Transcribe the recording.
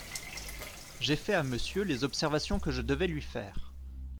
J’ai fait à Monsieur les observations que je devais lui faire…